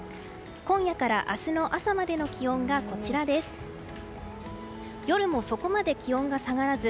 今夜から明日の朝までの気温がこちらです。